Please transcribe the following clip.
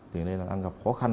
thế nên là đang gặp khó khăn